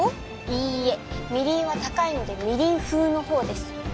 いいえみりんは高いのでみりん風の方です